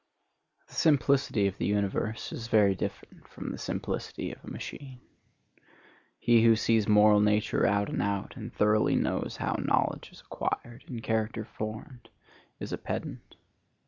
The simplicity of the universe is very different from the simplicity of a machine. He who sees moral nature out and out and thoroughly knows how knowledge is acquired and character formed, is a pedant.